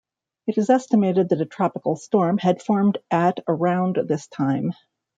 It is estimated that a tropical storm had formed at around this time.